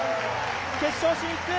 決勝進出。